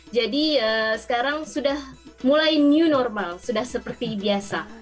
jadi sekarang sudah mulai new normal sudah seperti biasa